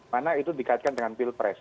mana itu dikaitkan dengan pilpres